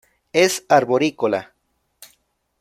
Es arborícola.